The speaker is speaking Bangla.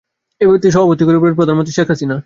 এতে সভাপতিত্ব করবেন প্রধানমন্ত্রী শেখ হাসিনা।